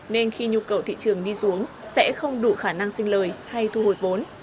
nên khi nhu cầu thị trường đi xuống sẽ không đủ khả năng sinh lời hay thu hồi vốn